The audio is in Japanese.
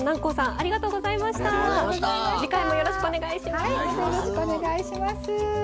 はいまたよろしくお願いします。